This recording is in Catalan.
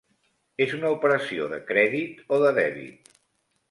És una operació de crèdit o de dèbit?